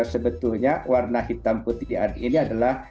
sebetulnya warna hitam putih di arg ini adalah